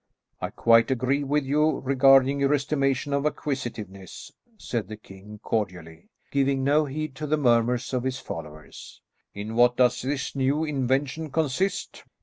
"I quite agree with you regarding your estimation of acquisitiveness," said the king cordially, giving no heed to the murmurs of his followers. "In what does this new invention consist?"